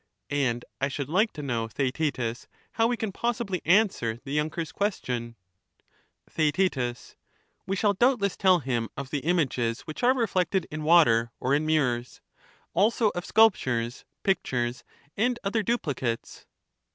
*— and I should like to know, Theaetetus, how we can possibly answer the younker's question ? TheaeU We shall doubtless tell him of the images which are reflected in water or in mirrors ; also of sculptures, pictures, and other duplicates.